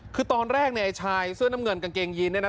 คือตอนแรกเนี่ยชายเสื้อน้ำเงินกางเกงยีนเนี่ยนะ